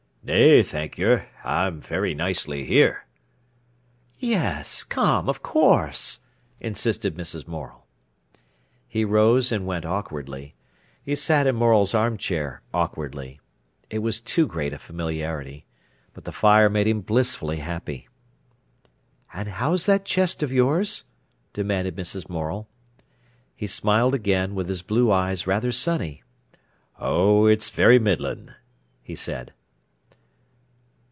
"Nay, thank yer; I'm very nicely here." "Yes, come, of course," insisted Mrs. Morel. He rose and went awkwardly. He sat in Morel's armchair awkwardly. It was too great a familiarity. But the fire made him blissfully happy. "And how's that chest of yours?" demanded Mrs. Morel. He smiled again, with his blue eyes rather sunny. "Oh, it's very middlin'," he said.